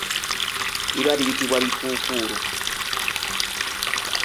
Biba biyitibwa bikuukuulu.